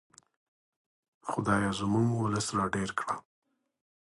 خدایه زموږ ولس را ډېر کړه.